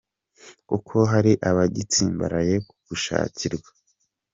kuko hari abagitsimbaraye ku gushakirwa.